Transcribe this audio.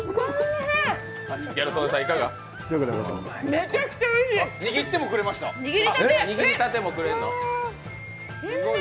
めちゃくちゃおいしい。